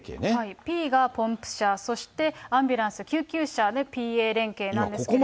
Ｐがポンプ車、そしてアンビュランス・救急車で、ＰＡ連携なんですけれども。